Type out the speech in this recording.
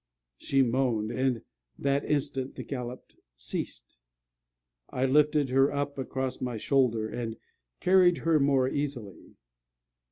She moaned; and that instant the gallop ceased. I lifted her up across my shoulder, and carried her more easily.